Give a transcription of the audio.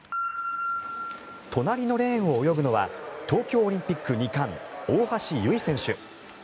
隣のレーンを泳ぐのは東京オリンピック２冠大橋悠依選手。